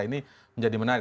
ini menjadi menarik